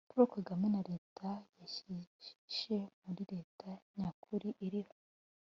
paul kagame na leta yahishe muri leta nyakuri iriho;